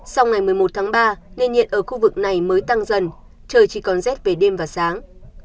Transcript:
sau ngày một mươi một tháng ba nền nhiệt ở khu vực này mới tăng dần trời chỉ còn rét về đêm và sáng